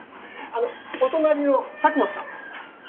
お隣の佐久間さん。